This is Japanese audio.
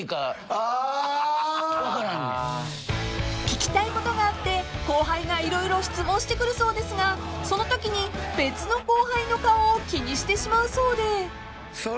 ［聞きたいことがあって後輩が色々質問してくるそうですがそのときに別の後輩の顔を気にしてしまうそうで］